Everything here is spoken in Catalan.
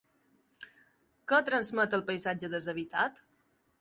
Què transmet el paisatge deshabitat?